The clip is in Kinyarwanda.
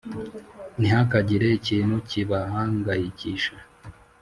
ntihakagire ikintu kibahangayikisha